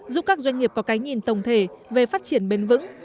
giúp các doanh nghiệp có cái nhìn tổng thể về phát triển bền vững